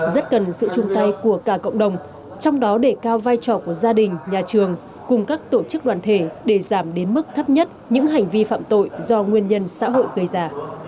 rất cần sự chung tay của cả cộng đồng trong đó để cao vai trò của gia đình nhà trường cùng các tổ chức đoàn thể để giảm đến mức thấp nhất những hành vi phạm tội do nguyên nhân xã hội gây ra